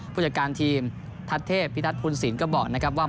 ผู้จัดการทีมทัศเทพย์พิทัศภูนษีนย์ก็บอกว่า